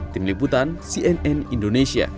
tim liputan cnn indonesia